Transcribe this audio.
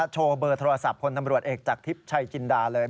โชว์เบอร์โทรศัพท์พลตำรวจเอกจากทิพย์ชัยจินดาเลย